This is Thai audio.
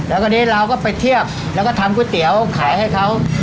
แล้วคราวนี้เราก็ไปเทียบแล้วก็ทำก๋วยเตี๋ยวขายให้เขา